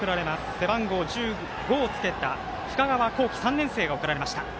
背番号１５をつけた深河宏樹、３年生が送られました。